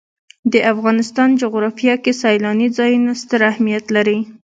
د افغانستان جغرافیه کې سیلاني ځایونه ستر اهمیت لري.